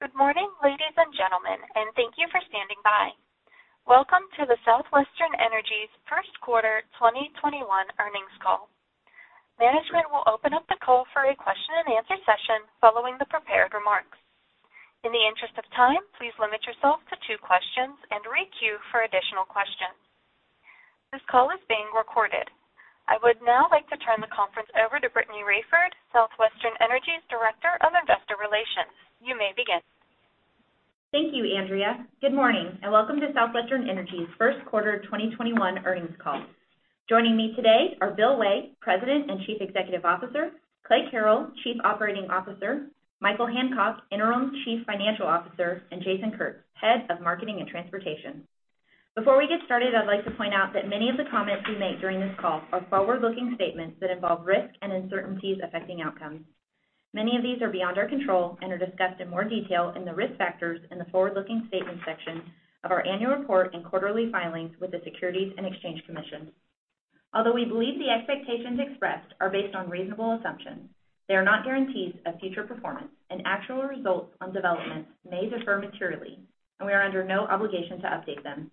Good morning, ladies and gentlemen, and thank you for standing by. Welcome to Southwestern Energy's First Quarter 2021 Earnings Call. Management will open up the call for a question and answer session following the prepared remarks. In the interest of time, please limit yourself to two questions and re-queue for additional questions. This call is being recorded. I would now like to turn the conference over to Brittany Raiford, Southwestern Energy's Director of Investor Relations. You may begin. Thank you, Andrea. Good morning, and welcome to Southwestern Energy's First Quarter 2021 Earnings Call. Joining me today are Bill Way, President and Chief Executive Officer, Clay Carrell, Chief Operating Officer, Michael Hancock, Interim Chief Financial Officer, and Jason Kurtz, Head of Marketing and Transportation. Before we get started, I'd like to point out that many of the comments we make during this call are forward-looking statements that involve risks and uncertainties affecting outcomes. Many of these are beyond our control and are discussed in more detail in the risk factors in the forward-looking statements section of our annual report and quarterly filings with the Securities and Exchange Commission. Although we believe the expectations expressed are based on reasonable assumptions, they are not guarantees of future performance, and actual results on developments may differ materially, and we are under no obligation to update them.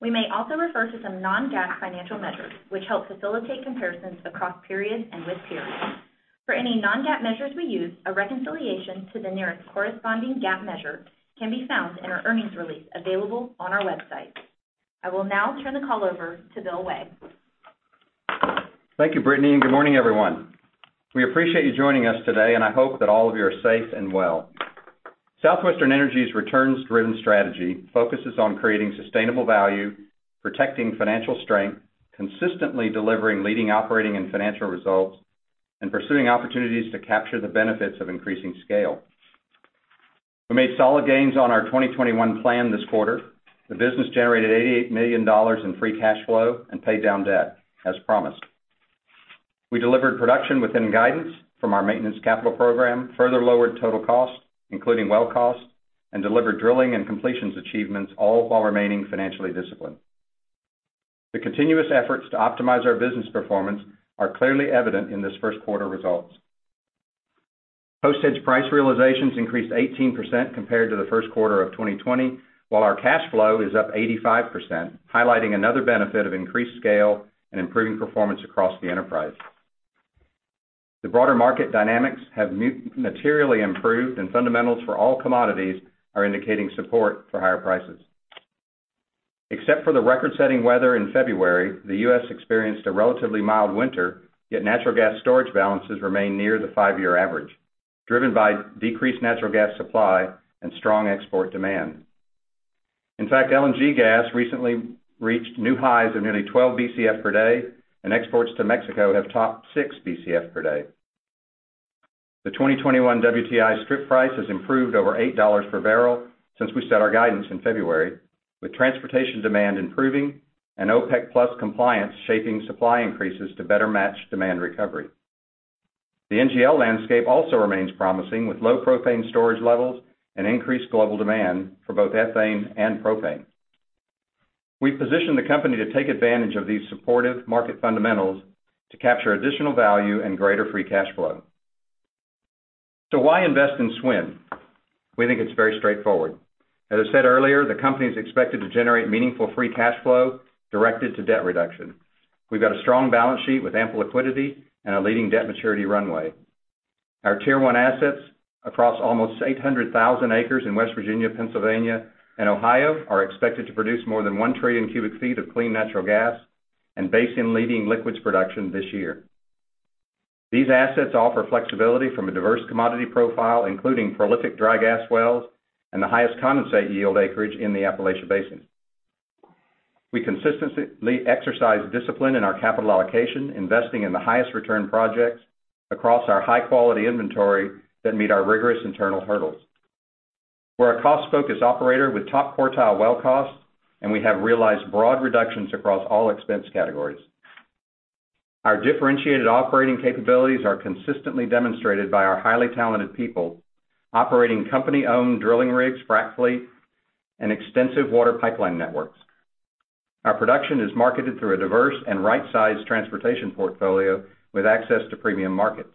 We may also refer to some non-GAAP financial measures, which help facilitate comparisons across periods and with peers. For any non-GAAP measures we use, a reconciliation to the nearest corresponding GAAP measure can be found in our earnings release available on our website. I will now turn the call over to Bill Way. Thank you, Brittany. Good morning, everyone. We appreciate you joining us today. I hope that all of you are safe and well. Southwestern Energy's returns-driven strategy focuses on creating sustainable value, protecting financial strength, consistently delivering leading operating and financial results, and pursuing opportunities to capture the benefits of increasing scale. We made solid gains on our 2021 plan this quarter. The business generated $88 million in free cash flow and paid down debt as promised. We delivered production within guidance from our maintenance capital program, further lowered total costs, including well costs, and delivered drilling and completions achievements, all while remaining financially disciplined. The continuous efforts to optimize our business performance are clearly evident in this first quarter results. [Postage] price realizations increased 18% compared to the first quarter of 2020, while our cash flow is up 85%, highlighting another benefit of increased scale and improving performance across the enterprise. The broader market dynamics have materially improved, and fundamentals for all commodities are indicating support for higher prices. Except for the record-setting weather in February, the U.S. experienced a relatively mild winter, yet natural gas storage balances remain near the five-year average, driven by decreased natural gas supply and strong export demand. In fact, LNG gas recently reached new highs of nearly 12 BCF/day, and exports to Mexico have topped 6 BCF/day. The 2021 WTI strip price has improved over $8 per bbl since we set our guidance in February, with transportation demand improving and OPEC+ compliance shaping supply increases to better match demand recovery. The NGL landscape also remains promising, with low propane storage levels and increased global demand for both ethane and propane. We've positioned the company to take advantage of these supportive market fundamentals to capture additional value and greater free cash flow. Why invest in SWN? We think it's very straightforward. As I said earlier, the company is expected to generate meaningful free cash flow directed to debt reduction. We've got a strong balance sheet with ample liquidity and a leading debt maturity runway. Our Tier 1 assets across almost 800,000 acres in West Virginia, Pennsylvania, and Ohio are expected to produce more than 1 trillion cu ft of clean natural gas and basin-leading liquids production this year. These assets offer flexibility from a diverse commodity profile, including prolific dry gas wells and the highest condensate yield acreage in the Appalachian Basin. We consistently exercise discipline in our capital allocation, investing in the highest return projects across our high-quality inventory that meet our rigorous internal hurdles. We're a cost-focused operator with top quartile well costs, and we have realized broad reductions across all expense categories. Our differentiated operating capabilities are consistently demonstrated by our highly talented people operating company-owned drilling rigs, frac fleet, and extensive water pipeline networks. Our production is marketed through a diverse and right-sized transportation portfolio with access to premium markets.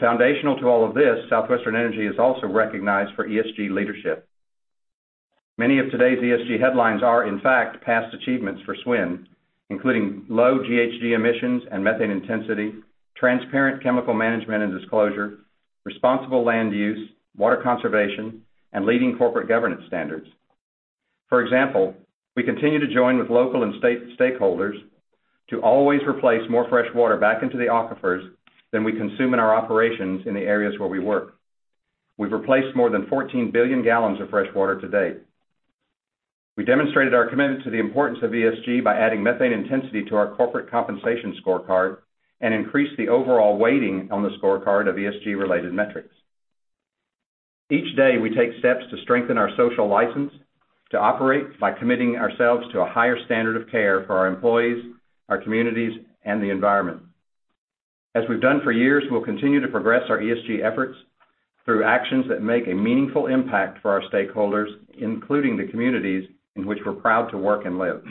Foundational to all of this, Southwestern Energy is also recognized for ESG leadership. Many of today's ESG headlines are, in fact, past achievements for SWN, including low GHG emissions and methane intensity, transparent chemical management and disclosure, responsible land use, water conservation, and leading corporate governance standards. For example, we continue to join with local and state stakeholders to always replace more fresh water back into the aquifers than we consume in our operations in the areas where we work. We've replaced more than 14 billion gal of fresh water to date. We demonstrated our commitment to the importance of ESG by adding methane intensity to our corporate compensation scorecard and increased the overall weighting on the scorecard of ESG-related metrics. Each day, we take steps to strengthen our social license to operate by committing ourselves to a higher standard of care for our employees, our communities, and the environment. As we've done for years, we'll continue to progress our ESG efforts through actions that make a meaningful impact for our stakeholders, including the communities in which we're proud to work and live.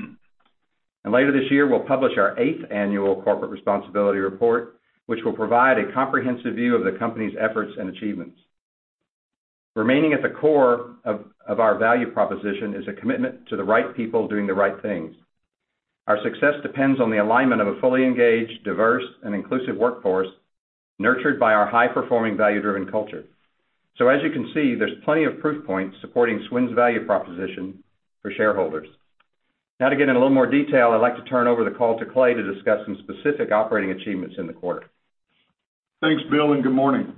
Later this year, we'll publish our eighth annual corporate responsibility report, which will provide a comprehensive view of the company's efforts and achievements. Remaining at the core of our value proposition is a commitment to the right people doing the right things. Our success depends on the alignment of a fully engaged, diverse, and inclusive workforce nurtured by our high-performing, value-driven culture. As you can see, there's plenty of proof points supporting SWN's value proposition for shareholders. To get in a little more detail, I'd like to turn over the call to Clay to discuss some specific operating achievements in the quarter. Thanks, Bill, and good morning.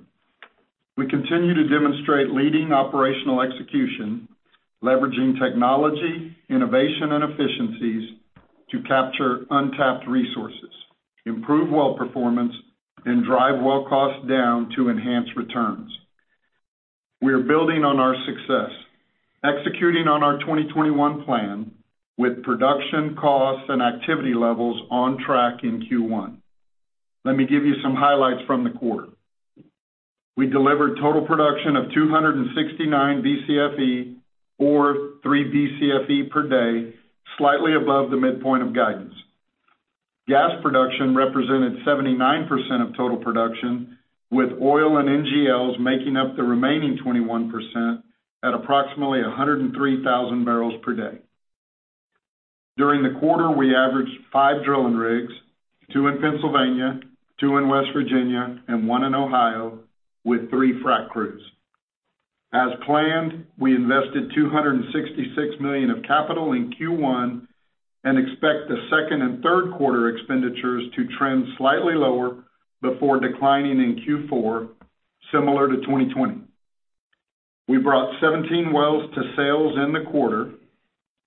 We continue to demonstrate leading operational execution, leveraging technology, innovation, and efficiencies to capture untapped resources, improve well performance, and drive well cost down to enhance returns. We are building on our success, executing on our 2021 plan with production costs and activity levels on track in Q1. Let me give you some highlights from the quarter. We delivered total production of 269 BCFE or 3 BCFE/day, slightly above the midpoint of guidance. Gas production represented 79% of total production, with oil and NGLs making up the remaining 21% at approximately 103,000 bpd. During the quarter, we averaged five drilling rigs, two in Pennsylvania, two in West Virginia, and one in Ohio with three frack crews. As planned, we invested $266 million of capital in Q1 and expect the second and third quarter expenditures to trend slightly lower before declining in Q4, similar to 2020. We brought 17 wells to sales in the quarter,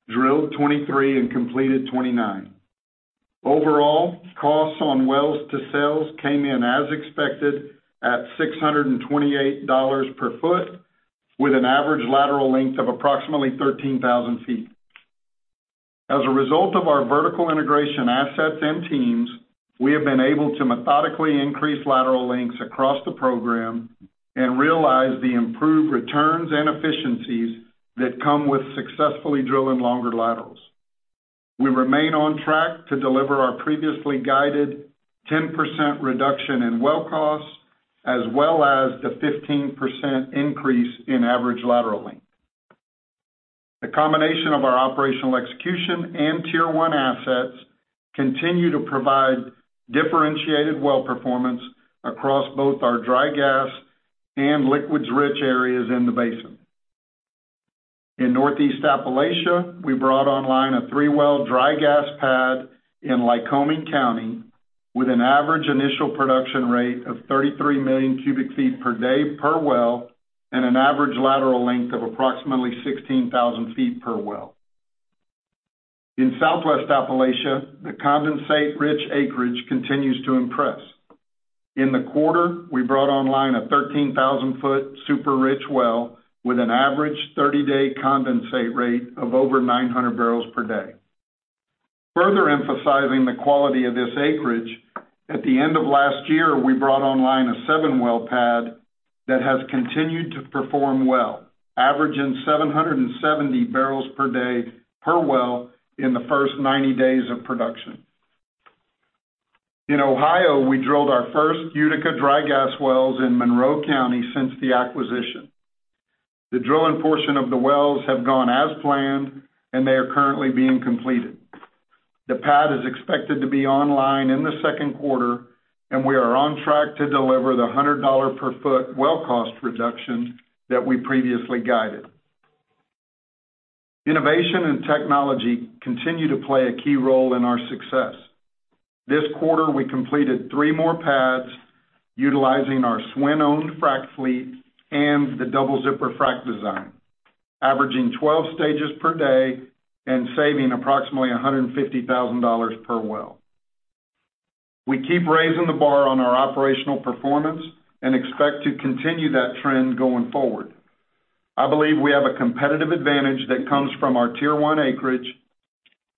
drilled 23, and completed 29. Overall, costs on wells to sales came in as expected at $628/ft, with an average lateral length of approximately 13,000 ft. As a result of our vertical integration assets and teams, we have been able to methodically increase lateral lengths across the program and realize the improved returns and efficiencies that come with successfully drilling longer laterals. We remain on track to deliver our previously guided 10% reduction in well costs, as well as the 15% increase in average lateral length. The combination of our operational execution and Tier 1 assets continue to provide differentiated well performance across both our dry gas and liquids-rich areas in the basin. In Northeast Appalachia, we brought online a three-well dry gas pad in Lycoming County with an average initial production rate of 33 million cu ft/day per well and an average lateral length of approximately 16,000 ft per well. In Southwest Appalachia, the condensate-rich acreage continues to impress. In the quarter, we brought online a 13,000-ft super-rich well with an average 30-day condensate rate of over 900 bpd. Further emphasizing the quality of this acreage, at the end of last year, we brought online a seven-well pad that has continued to perform well, averaging 770 bpd per well in the first 90 days of production. In Ohio, we drilled our first Utica dry gas wells in Monroe County since the acquisition. The drilling portion of the wells have gone as planned, and they are currently being completed. The pad is expected to be online in the second quarter, and we are on track to deliver the $100/ft well cost reduction that we previously guided. Innovation and technology continue to play a key role in our success. This quarter, we completed three more pads utilizing our SWN-owned frack fleet and the Double Zipper Frac design, averaging 12 stages per day and saving approximately $150,000 per well. We keep raising the bar on our operational performance and expect to continue that trend going forward. I believe we have a competitive advantage that comes from our Tier 1 acreage,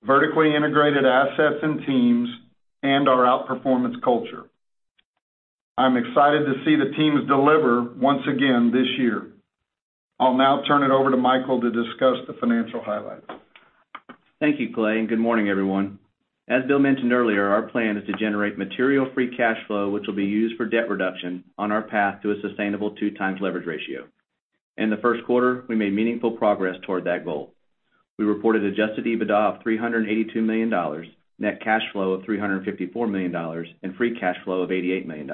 vertically integrated assets and teams, and our outperformance culture. I'm excited to see the teams deliver once again this year. I'll now turn it over to Michael to discuss the financial highlights. Thank you, Clay, and good morning, everyone. As Bill mentioned earlier, our plan is to generate material free cash flow, which will be used for debt reduction on our path to a sustainable 2x leverage ratio. In the first quarter, we made meaningful progress toward that goal. We reported adjusted EBITDA of $382 million, net cash flow of $354 million, and free cash flow of $88 million.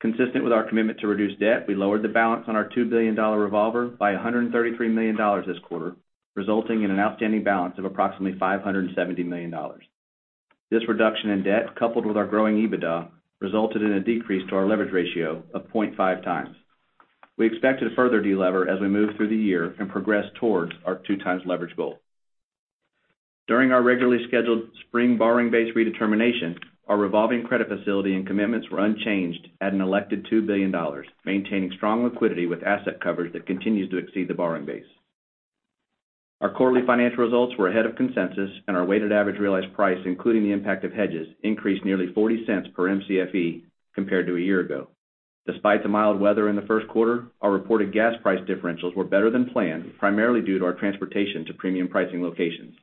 Consistent with our commitment to reduce debt, we lowered the balance on our $2 billion revolver by $133 million this quarter, resulting in an outstanding balance of approximately $570 million. This reduction in debt, coupled with our growing EBITDA, resulted in a decrease to our leverage ratio of 0.5x. We expect to further delever as we move through the year and progress towards our 2x leverage goal. During our regularly scheduled spring borrowing base redetermination, our revolving credit facility and commitments were unchanged at an elected $2 billion, maintaining strong liquidity with asset coverage that continues to exceed the borrowing base. Our quarterly financial results were ahead of consensus, and our weighted average realized price, including the impact of hedges, increased nearly $0.40/MCFE compared to a year ago. Despite the mild weather in the first quarter, our reported gas price differentials were better than planned, primarily due to our transportation to premium pricing locations.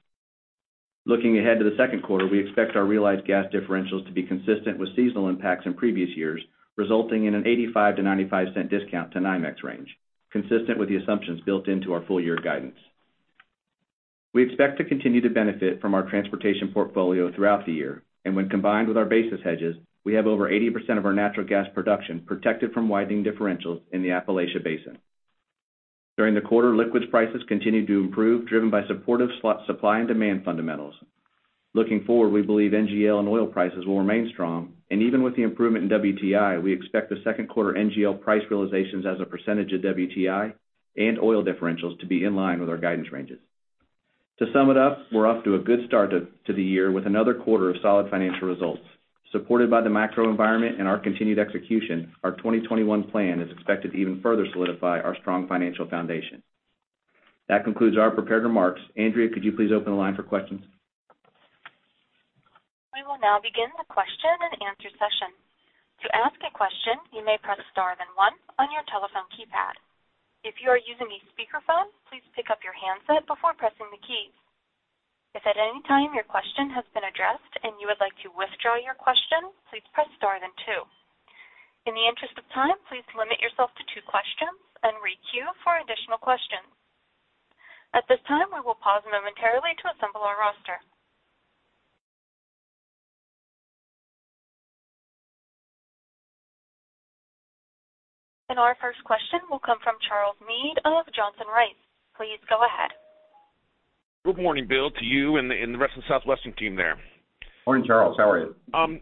Looking ahead to the second quarter, we expect our realized gas differentials to be consistent with seasonal impacts in previous years, resulting in an $0.85-$0.95 discount to NYMEX range, consistent with the assumptions built into our full year guidance. We expect to continue to benefit from our transportation portfolio throughout the year, and when combined with our basis hedges, we have over 80% of our natural gas production protected from widening differentials in the Appalachian Basin. During the quarter, liquids prices continued to improve, driven by supportive supply and demand fundamentals. Looking forward, we believe NGL and oil prices will remain strong, and even with the improvement in WTI, we expect the second quarter NGL price realizations as a percentage of WTI and oil differentials to be in line with our guidance ranges. To sum it up, we're off to a good start to the year with another quarter of solid financial results. Supported by the macro environment and our continued execution, our 2021 plan is expected to even further solidify our strong financial foundation. That concludes our prepared remarks. Andrea, could you please open the line for questions? We will now begin the question and answer session. To ask a question, you may press star and one on your telephone keypad. If you are using a speakerphone, please pick up your handset before pressing the keys. If at any time your question has been addressed and you would like to withdraw your question, please press star then two. In the interest of time, please limit yourself to two questions and re-queue for additional questions. At this time, we will pause momentarily to assemble our roster. Our first question will come from Charles Meade of Johnson Rice. Please go ahead. Good morning, Bill, to you and the rest of the Southwestern team there. Morning, Charles. How are you? I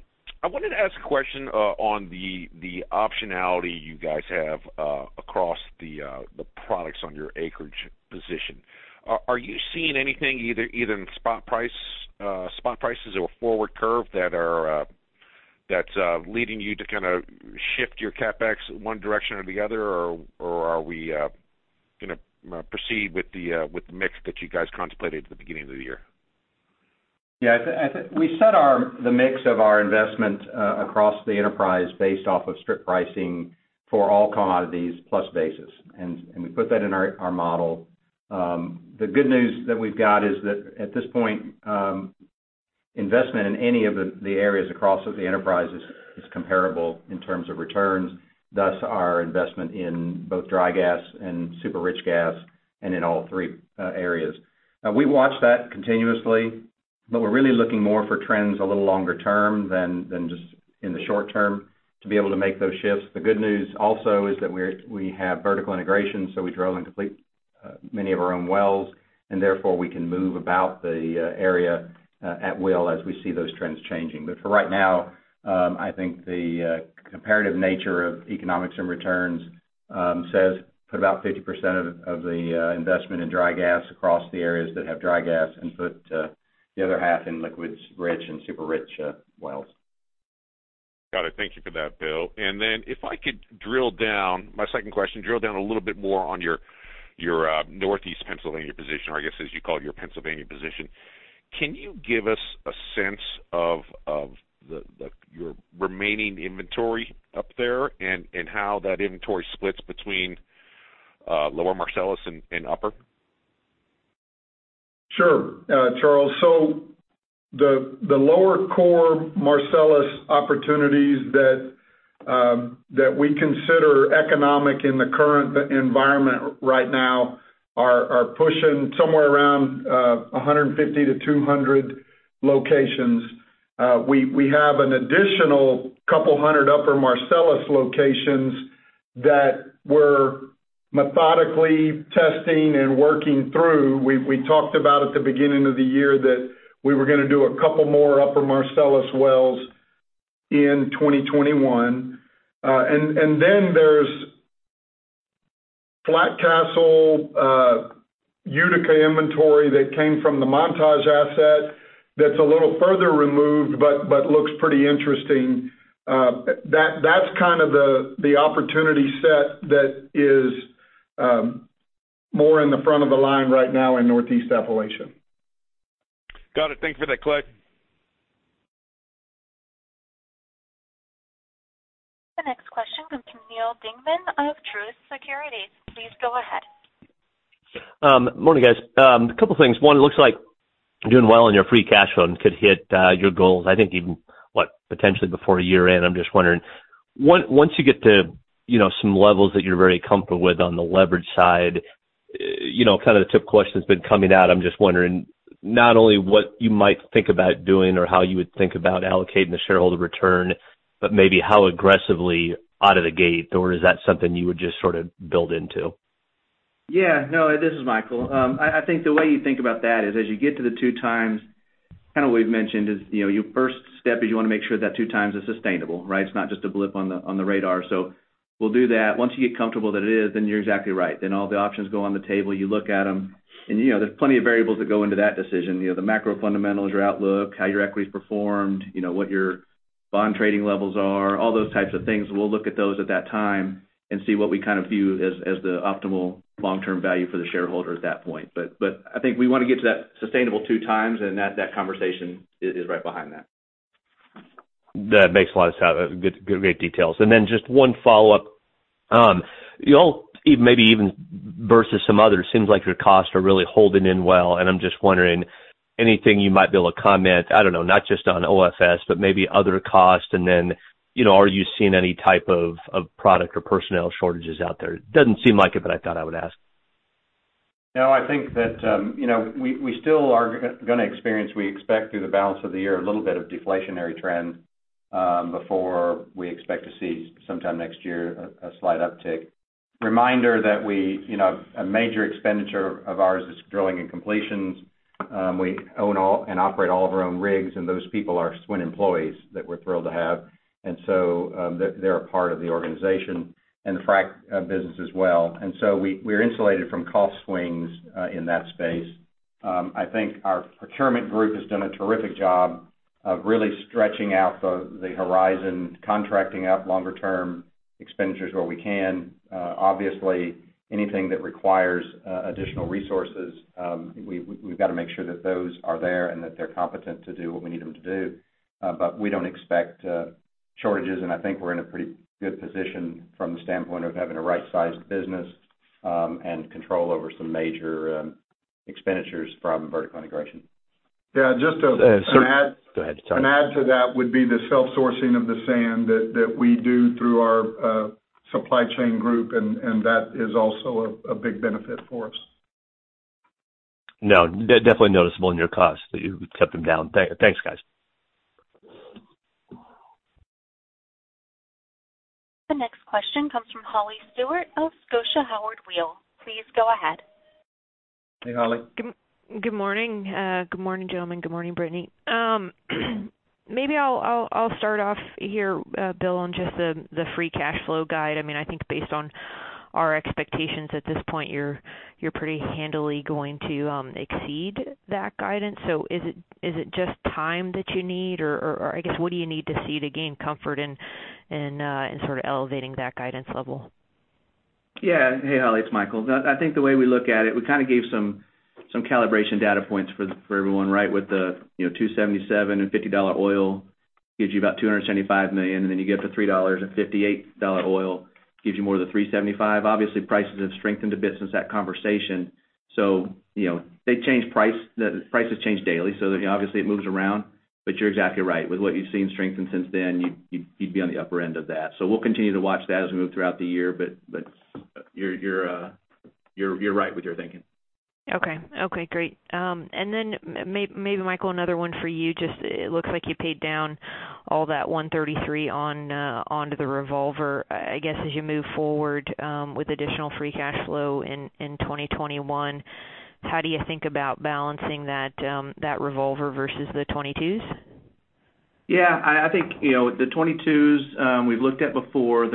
wanted to ask a question on the optionality you guys have across the products on your acreage position. Are you seeing anything either in spot prices or forward curve that's leading you to kind of shift your CapEx one direction or the other, or are we going to proceed with the mix that you guys contemplated at the beginning of the year? Yeah. We set the mix of our investment across the enterprise based off of strip pricing for all commodities plus basis, and we put that in our model. The good news that we've got is that at this point, investment in any of the areas across the enterprise is comparable in terms of returns, thus our investment in both dry gas and super rich gas and in all three areas. We watch that continuously, but we're really looking more for trends a little longer term than just in the short term to be able to make those shifts. The good news also is that we have vertical integration, so we drill and complete many of our own wells, and therefore we can move about the area at will as we see those trends changing. For right now, I think the comparative nature of economics and returns says put about 50% of the investment in dry gas across the areas that have dry gas and put the other half in liquids rich and super rich wells. Got it. Thank you for that, Bill. If I could, my second question, drill down a little bit more on your Northeast Pennsylvania position, or I guess as you call it, your Pennsylvania position. Can you give us a sense of your remaining inventory up there and how that inventory splits between Lower Marcellus and Upper? Sure, Charles. The Lower [Core] Marcellus opportunities that we consider economic in the current environment right now are pushing somewhere around 150-200 locations. We have an additional couple hundred Upper Marcellus locations that we're methodically testing and working through. We talked about at the beginning of the year that we were going to do a couple more Upper Marcellus wells in 2021. There's Flat Castle Utica inventory that came from the Montage asset that's a little further removed but looks pretty interesting. That's kind of the opportunity set that is more in the front of the line right now in Northeast Appalachia. Got it. Thank you for that, Clay. The next question comes from Neal Dingmann of Truist Securities. Please go ahead. Morning, guys. A couple things. One, it looks like doing well on your free cash flow and could hit your goals, I think even, what, potentially before year-end. I'm just wondering, once you get to some levels that you're very comfortable with on the leverage side, kind of the tip question that's been coming out, I'm just wondering not only what you might think about doing or how you would think about allocating the shareholder return, but maybe how aggressively out of the gate, or is that something you would just sort of build into? No, this is Michael. I think the way you think about that is as you get to the 2x we've mentioned, your first step is you want to make sure that two times is sustainable, right? It's not just a blip on the radar. We'll do that. Once you get comfortable that it is, you're exactly right. All the options go on the table. You look at them, there's plenty of variables that go into that decision. The macro fundamentals, your outlook, how your equity's performed, what your bond trading levels are, all those types of things. We'll look at those at that time and see what we view as the optimal long-term value for the shareholder at that point. I think we want to get to that sustainable 2x, that conversation is right behind that. That makes a lot of sense. Great details. Just one follow-up. Maybe even versus some others, seems like your costs are really holding in well, and I'm just wondering, anything you might be able to comment, not just on OFS, but maybe other costs, and then, are you seeing any type of product or personnel shortages out there? Doesn't seem like it, but I thought I would ask. No, I think that we still are going to experience, we expect through the balance of the year, a little bit of deflationary trend, before we expect to see sometime next year, a slight uptick. Reminder that a major expenditure of ours is drilling and completions. We own and operate all of our own rigs, and those people are SWN employees that we're thrilled to have. They're a part of the organization and the frac business as well. We're insulated from cost swings in that space. I think our procurement group has done a terrific job of really stretching out the horizon, contracting out longer term expenditures where we can. Obviously, anything that requires additional resources, we've got to make sure that those are there and that they're competent to do what we need them to do. We don't expect shortages, and I think we're in a pretty good position from the standpoint of having a right-sized business, and control over some major expenditures from vertical integration. Yeah. Go ahead, sorry. An add to that would be the self-sourcing of the sand that we do through our supply chain group, and that is also a big benefit for us. No, definitely noticeable in your costs that you kept them down. Thanks, guys. The next question comes from Holly Stewart of Scotia Howard Weil. Please go ahead. Hey, Holly. Good morning. Good morning, gentlemen. Good morning, Brittany. Maybe I'll start off here, Bill, on just the free cash flow guide. I think based on our expectations at this point, you're pretty handily going to exceed that guidance. Is it just time that you need, or I guess, what do you need to see to gain comfort in sort of elevating that guidance level? Hey, Holly, it's Michael. I think the way we look at it, we gave some calibration data points for everyone, right? With the $2.77 and $50 oil gives you about $275 million, and then you get to $3 and $58 oil gives you more than $375. Prices have strengthened a bit since that conversation. They change price. The prices change daily. Obviously it moves around. You're exactly right. With what you've seen strengthen since then, you'd be on the upper end of that. We'll continue to watch that as we move throughout the year, but you're right with your thinking. Okay. Great. Maybe Michael, another one for you. It looks like you paid down all that $133 onto the revolver. As you move forward, with additional free cash flow in 2021, how do you think about balancing that revolver versus the 2022s? Yeah, I think, the 2022s, we've looked at before.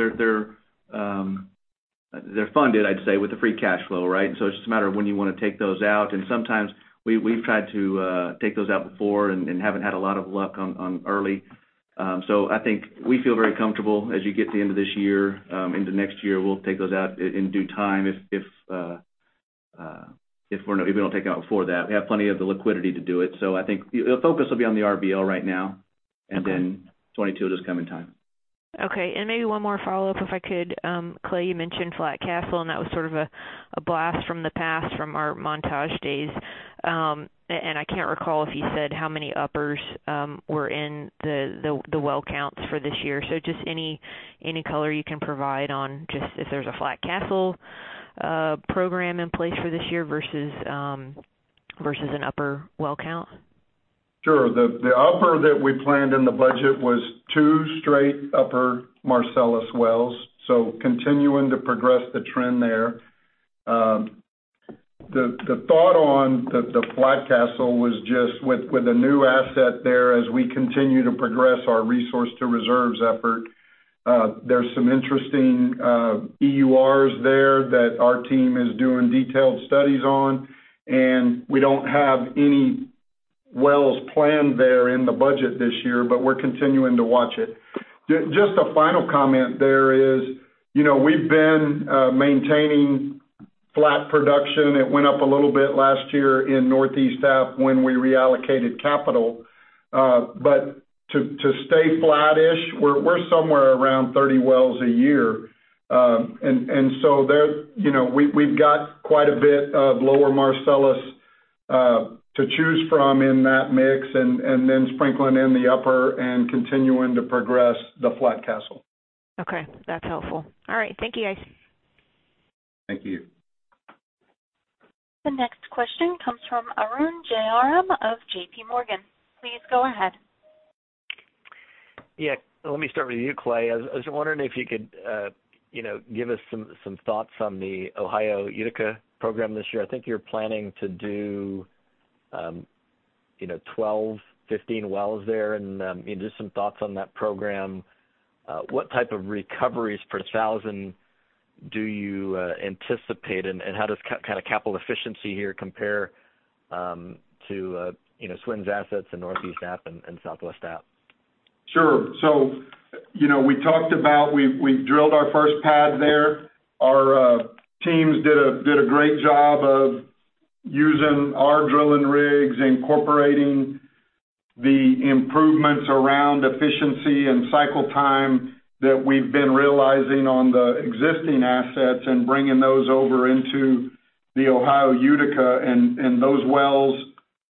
They're funded, I'd say, with the free cash flow, right? It's just a matter of when you want to take those out. Sometimes we've tried to take those out before and haven't had a lot of luck on early. I think we feel very comfortable as you get to the end of this year, into next year, we'll take those out in due time if we don't take them out before that. We have plenty of the liquidity to do it. I think the focus will be on the RBL right now. Okay. 2022 will just come in time. Okay. Maybe one more follow-up if I could. Clay, you mentioned Flat Castle, that was sort of a blast from the past from our Montage days. I can't recall if you said how many uppers were in the well counts for this year. Just any color you can provide on just if there's a Flat Castle program in place for this year versus an upper well count? Sure. The upper that we planned in the budget was two straight Upper Marcellus wells. Continuing to progress the trend there. The thought on the Flat Castle was just with a new asset there as we continue to progress our resource to reserves effort. There's some interesting EURs there that our team is doing detailed studies on, and we don't have any wells planned there in the budget this year, but we're continuing to watch it. Just a final comment there is, we've been maintaining flat production. It went up a little bit last year in Northeast App when we reallocated capital. To stay flat-ish, we're somewhere around 30 wells a year. We've got quite a bit of Lower Marcellus to choose from in that mix, and then sprinkling in the upper and continuing to progress the Flat Castle. Okay. That's helpful. All right. Thank you, guys. Thank you. The next question comes from Arun Jayaram of JPMorgan. Please go ahead. Yeah. Let me start with you, Clay. I was wondering if you could give us some thoughts on the Ohio Utica program this year. I think you're planning to do 12, 15 wells there, and just some thoughts on that program. What type of recoveries per 1,000 do you anticipate, and how does capital efficiency here compare to SWN's assets in Northeast App and Southwest App? Sure. We drilled our first pad there. Our teams did a great job of using our drilling rigs, incorporating the improvements around efficiency and cycle time that we've been realizing on the existing assets and bringing those over into the Ohio Utica. Those wells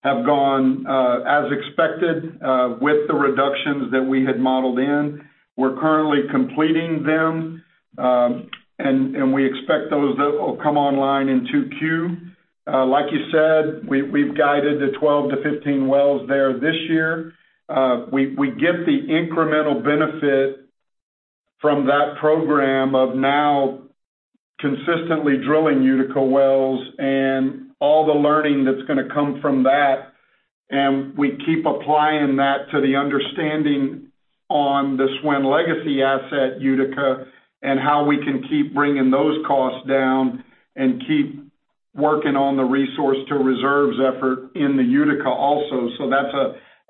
have gone as expected with the reductions that we had modeled in. We're currently completing them, and we expect those will come online in 2Q. Like you said, we've guided the 12-15 wells there this year. We get the incremental benefit from that program of now consistently drilling Utica wells and all the learning that's going to come from that. We keep applying that to the understanding on the SWN legacy asset, Utica, and how we can keep bringing those costs down and keep working on the resource to reserves effort in the Utica also. That's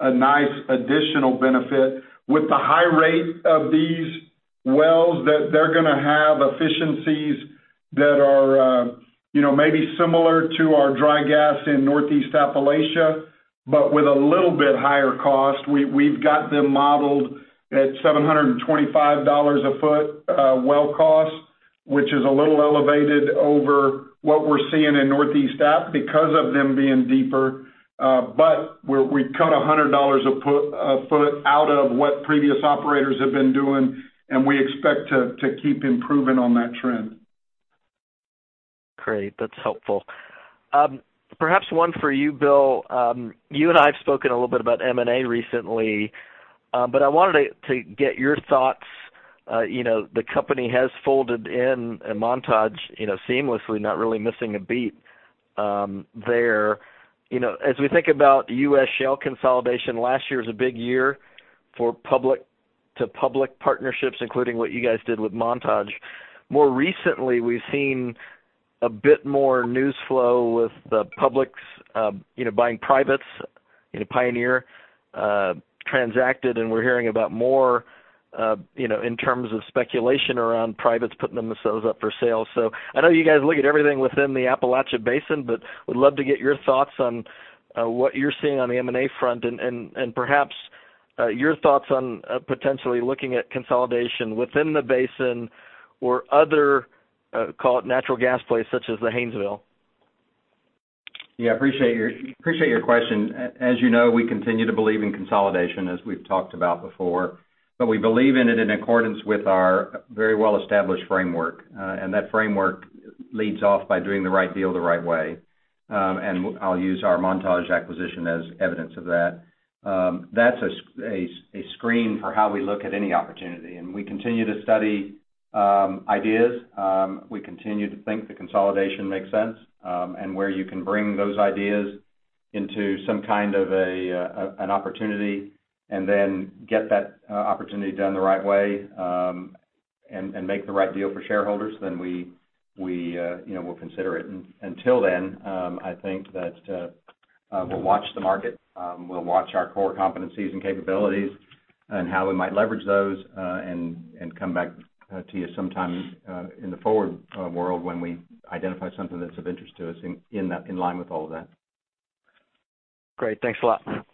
a nice additional benefit. With the high rate of these wells, they're going to have efficiencies that are maybe similar to our dry gas in Northeast Appalachia, but with a little bit higher cost. We've got them modeled at $725 a ft well cost, which is a little elevated over what we're seeing in Northeast App because of them being deeper. We cut $100 a ft out of what previous operators have been doing, and we expect to keep improving on that trend. Great. That's helpful. Perhaps one for you, Bill. You and I have spoken a little bit about M&A recently. I wanted to get your thoughts. The company has folded in Montage seamlessly, not really missing a beat there. As we think about U.S. shale consolidation, last year was a big year to public partnerships, including what you guys did with Montage. More recently, we've seen a bit more news flow with the publics buying privates. Pioneer transacted. We're hearing about more in terms of speculation around privates putting themselves up for sale. I know you guys look at everything within the Appalachian Basin. Would love to get your thoughts on what you're seeing on the M&A front and perhaps your thoughts on potentially looking at consolidation within the basin or other, call it natural gas plays such as the Haynesville. Appreciate your question. As you know, we continue to believe in consolidation as we've talked about before, but we believe in it in accordance with our very well-established framework. That framework leads off by doing the right deal the right way. I'll use our Montage acquisition as evidence of that. That's a screen for how we look at any opportunity, and we continue to study ideas. We continue to think the consolidation makes sense, where you can bring those ideas into some kind of an opportunity and then get that opportunity done the right way, make the right deal for shareholders, then we'll consider it. Until then, I think that we'll watch the market. We'll watch our core competencies and capabilities and how we might leverage those, and come back to you sometime in the forward world when we identify something that's of interest to us in line with all of that. Great. Thanks a lot.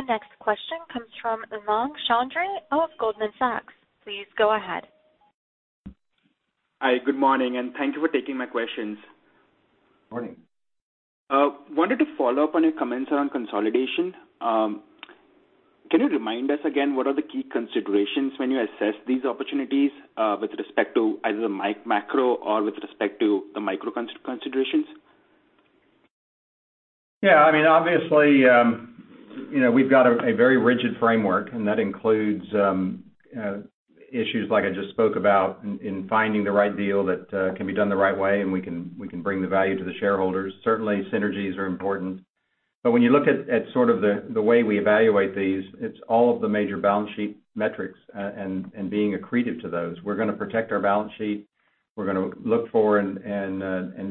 The next question comes from Umang Choudhary of Goldman Sachs. Please go ahead. Hi. Good morning, and thank you for taking my questions. Morning. Wanted to follow up on your comments around consolidation. Can you remind us again what are the key considerations when you assess these opportunities with respect to either macro or with respect to the micro considerations? Yeah. Obviously, we've got a very rigid framework, and that includes issues like I just spoke about in finding the right deal that can be done the right way and we can bring the value to the shareholders. Certainly, synergies are important. When you look at sort of the way we evaluate these, it's all of the major balance sheet metrics and being accretive to those. We're going to protect our balance sheet. We're going to look for and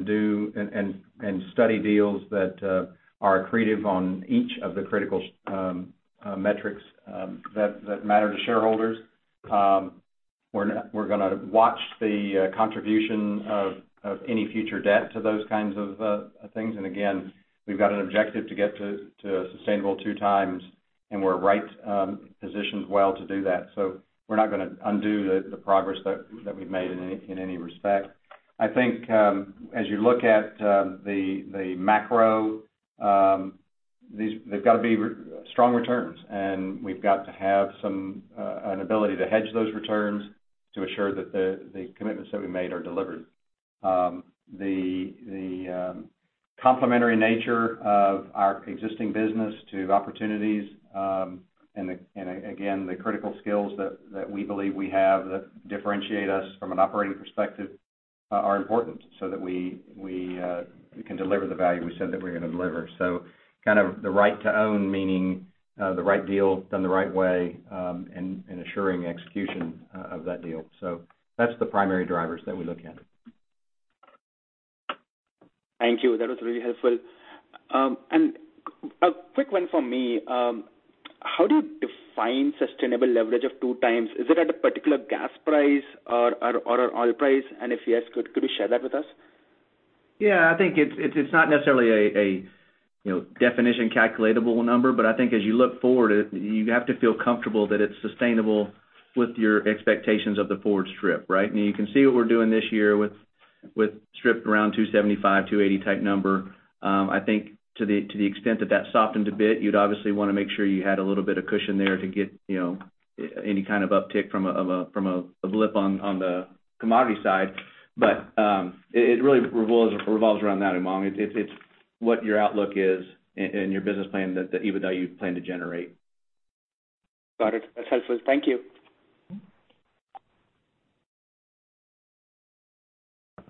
do, and study deals that are accretive on each of the critical metrics that matter to shareholders. We're going to watch the contribution of any future debt to those kinds of things. Again, we've got an objective to get to a sustainable 2x, and we're right positioned well to do that. We're not going to undo the progress that we've made in any respect. I think as you look at the macro, they've got to be strong returns, and we've got to have an ability to hedge those returns to assure that the commitments that we made are delivered. The complementary nature of our existing business to opportunities, and again, the critical skills that we believe we have that differentiate us from an operating perspective are important so that we can deliver the value we said that we're going to deliver. Kind of the right to own meaning the right deal done the right way, and assuring execution of that deal. That's the primary drivers that we look at. Thank you. That was really helpful. A quick one from me. How do you define sustainable leverage of 2x? Is it at a particular gas price or oil price? If yes, could you share that with us? Yeah, I think it's not necessarily a definition calculable number. I think as you look forward, you have to feel comfortable that it's sustainable with your expectations of the forward strip, right? Now you can see what we're doing this year with strip around $2.75, $2.80 type number. I think to the extent that that softened a bit, you'd obviously want to make sure you had a little bit of cushion there to get any kind of uptick from a blip on the commodity side. It really revolves around that, Umang. It's what your outlook is and your business plan that even though you plan to generate. Got it. That's helpful. Thank you.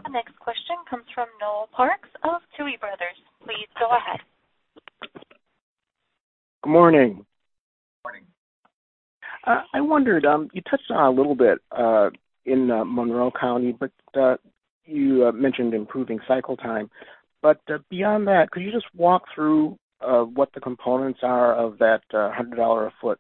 The next question comes from Noel Parks of Tuohy Brothers. Please go ahead. Good morning. Morning. I wondered, you touched on a little bit in Monroe County, but you mentioned improving cycle time. Beyond that, could you just walk through what the components are of that $100 a ft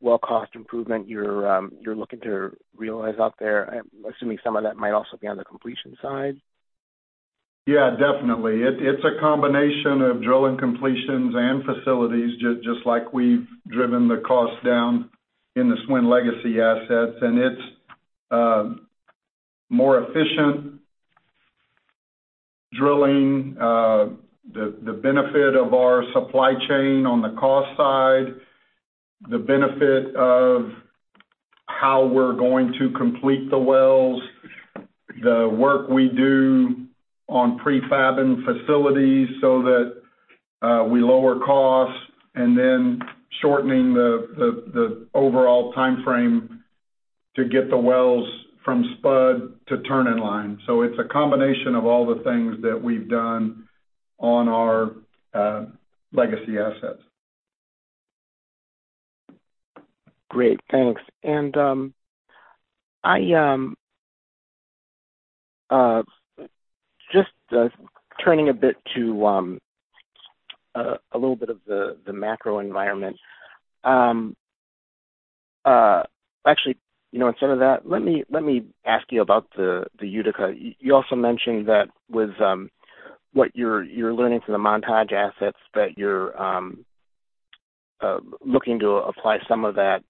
well cost improvement you're looking to realize out there? I'm assuming some of that might also be on the completion side. Yeah, definitely. It's a combination of drilling completions and facilities, just like we've driven the cost down in the SWN legacy assets, and it's more efficient drilling, the benefit of our supply chain on the cost side, the benefit of how we're going to complete the wells, the work we do on pre-fabbing facilities so that we lower costs, and then shortening the overall timeframe to get the wells from spud to turn in line. It's a combination of all the things that we've done on our legacy assets. Great, thanks. Just turning a bit to a little bit of the macro environment. Actually, instead of that, let me ask you about the Utica. You also mentioned that with what you're learning from the Montage assets, that you're looking to apply some of that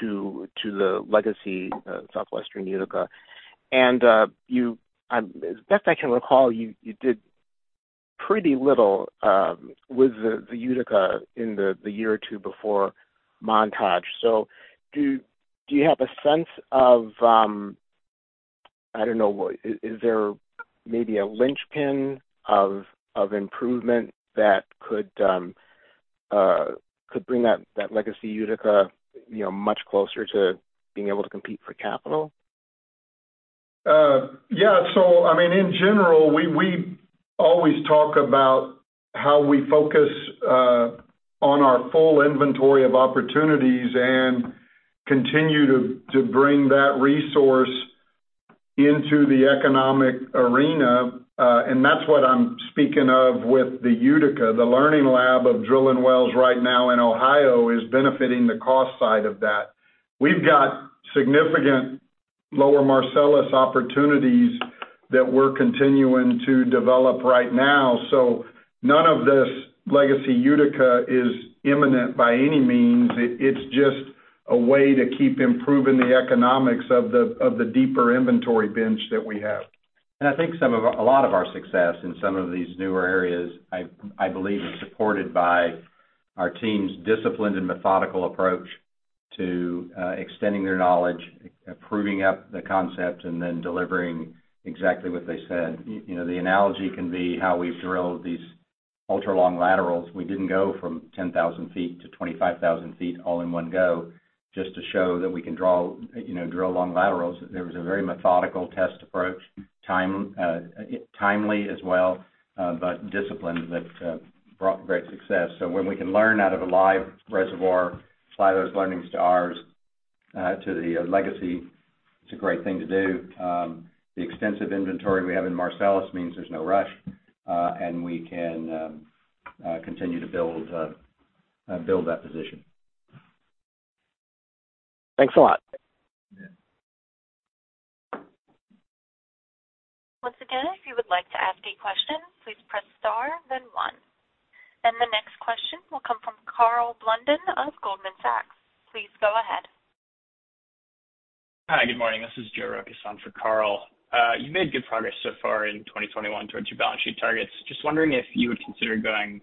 to the legacy Southwestern Utica. As best I can recall, you did pretty little with the Utica in the year or two before Montage. Do you have a sense of, I don't know, is there maybe a linchpin of improvement that could bring that legacy Utica much closer to being able to compete for capital? Yeah. I mean, in general, we always talk about how we focus on our full inventory of opportunities and continue to bring that resource into the economic arena. That's what I'm speaking of with the Utica. The learning lab of drilling wells right now in Ohio is benefiting the cost side of that. We've got significant Lower Marcellus opportunities that we're continuing to develop right now. None of this legacy Utica is imminent by any means. It's just a way to keep improving the economics of the deeper inventory bench that we have. I think a lot of our success in some of these newer areas, I believe, is supported by our team's disciplined and methodical approach to extending their knowledge, proving up the concept, and then delivering exactly what they said. The analogy can be how we've drilled these ultra long laterals. We didn't go from 10,000 ft to 25,000 ft all in one go just to show that we can drill long laterals. There was a very methodical test approach, timely as well, but disciplined, that brought great success. When we can learn out of a live reservoir, apply those learnings to ours, to the legacy, it's a great thing to do. The extensive inventory we have in Marcellus means there's no rush, and we can continue to build that position. Thanks a lot. Yeah. Once again, if you would like to ask a question, please press star, then one. The next question will come from Karl Blunden of Goldman Sachs. Please go ahead. Hi, good morning. This is [Joe Rokos] on for Karl. You made good progress so far in 2021 towards your balance sheet targets. Just wondering if you would consider going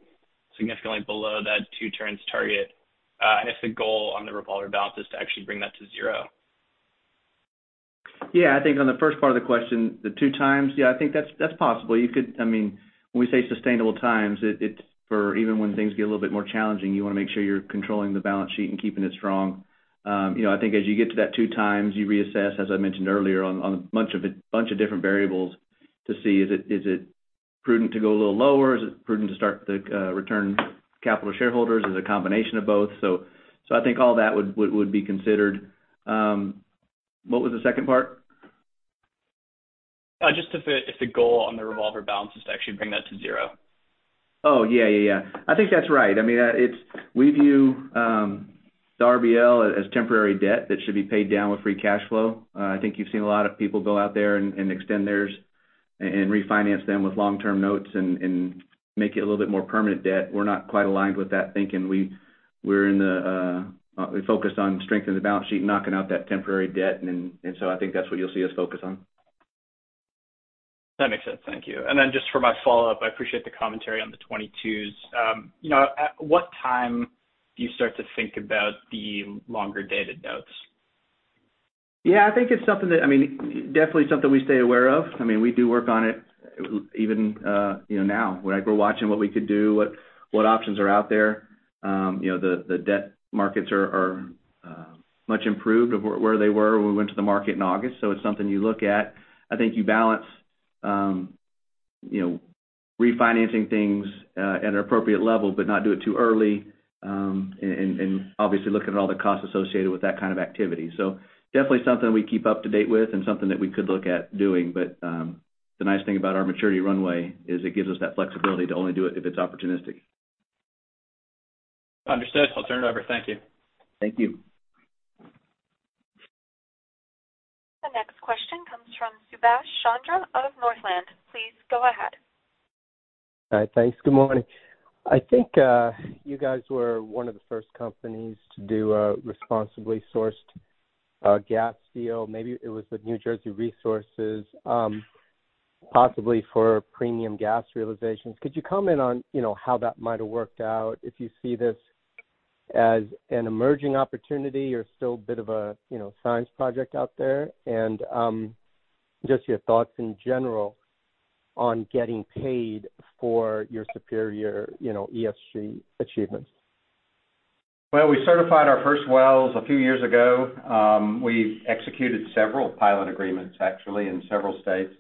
significantly below that two turns target, and if the goal on the revolver balance is to actually bring that to zero. Yeah. I think on the first part of the question, the 2x, yeah, I think that's possible. When we say sustainable times, it's for even when things get a little bit more challenging, you want to make sure you're controlling the balance sheet and keeping it strong. I think as you get to that 2x, you reassess, as I mentioned earlier, on a bunch of different variables to see is it prudent to go a little lower? Is it prudent to start the return to capital shareholders? Is it a combination of both? I think all that would be considered. What was the second part? Just if the goal on the revolver balance is to actually bring that to zero. Yeah. I think that's right. We view the RBL as temporary debt that should be paid down with free cash flow. I think you've seen a lot of people go out there and extend theirs and refinance them with long-term notes and make it a little bit more permanent debt. We're not quite aligned with that thinking. We're focused on strengthening the balance sheet and knocking out that temporary debt. I think that's what you'll see us focus on. That makes sense. Thank you. Just for my follow-up, I appreciate the commentary on the 2022s. At what time do you start to think about the longer-dated notes? Yeah, I think it's definitely something we stay aware of. We do work on it even now, where we're watching what we could do, what options are out there. The debt markets are much improved of where they were when we went to the market in August. It's something you look at. I think you balance refinancing things at an appropriate level, but not do it too early, and obviously looking at all the costs associated with that kind of activity. Definitely something we keep up to date with and something that we could look at doing, but the nice thing about our maturity runway is it gives us that flexibility to only do it if it's opportunistic. Understood. I'll turn it over. Thank you. Thank you. The next question comes from Subash Chandra out of Northland. Please go ahead. All right. Thanks. Good morning. I think you guys were one of the first companies to do a responsibly sourced gas deal. Maybe it was with New Jersey Resources, possibly for premium gas realizations. Could you comment on how that might have worked out, if you see this as an emerging opportunity or still a bit of a science project out there? Just your thoughts in general on getting paid for your superior ESG achievements. Well, we certified our first wells a few years ago. We've executed several pilot agreements, actually, in several states.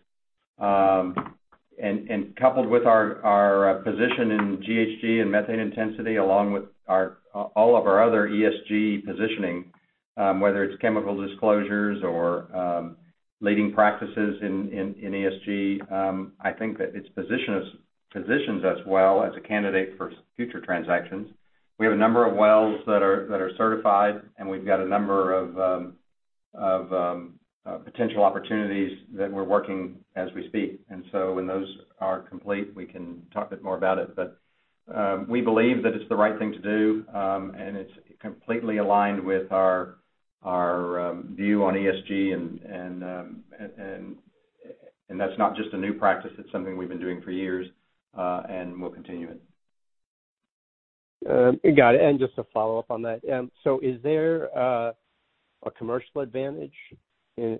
Coupled with our position in GHG and methane intensity, along with all of our other ESG positioning, whether it's chemical disclosures or leading practices in ESG, I think that it positions us well as a candidate for future transactions. We have a number of wells that are certified, and we've got a number of potential opportunities that we're working as we speak. When those are complete, we can talk a bit more about it. We believe that it's the right thing to do, and it's completely aligned with our view on ESG, and that's not just a new practice, it's something we've been doing for years, and we'll continue it. Got it. Just to follow up on that, so is there a commercial advantage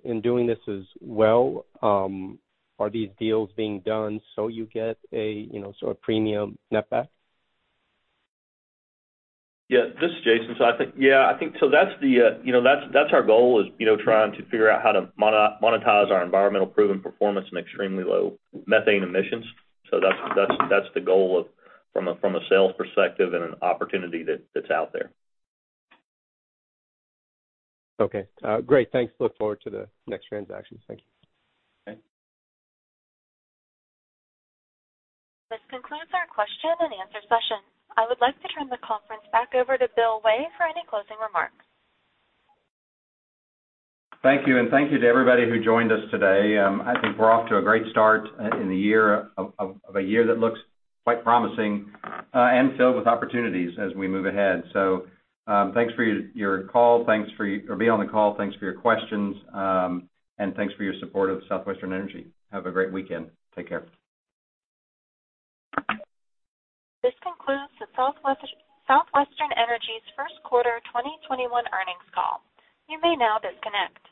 in doing this as well? Are these deals being done so you get a premium netback? This is Jason. I think, that's our goal is trying to figure out how to monetize our environmental proven performance and extremely low methane emissions. That's the goal from a sales perspective and an opportunity that's out there. Okay. Great. Thanks. Look forward to the next transactions. Thank you. Okay. This concludes our question and answer session. I would like to turn the conference back over to Bill Way for any closing remarks. Thank you, and thank you to everybody who joined us today. I think we're off to a great start of a year that looks quite promising, and filled with opportunities as we move ahead. Thanks for being on the call. Thanks for your questions, and thanks for your support of Southwestern Energy. Have a great weekend. Take care. This concludes Southwestern Energy's First Quarter 2021 Earnings Call. You may now disconnect.